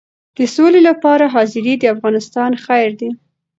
د سولې لپاره حاضري د افغانستان خیر دی.